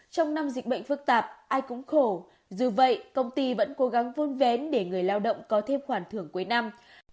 trong năm dịch bệnh phức tạp ai cũng khổ dù vậy công ty vẫn cố gắng vuôn vén để người lao động có thêm khoản thưởng cuối năm